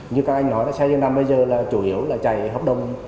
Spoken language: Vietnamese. như các anh nói là xe dừng nằm bây giờ là chủ yếu là chạy hợp đồng